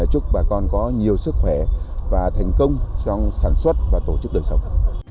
chúc bà con có nhiều sức khỏe và thành công trong sản xuất và tổ chức đời sống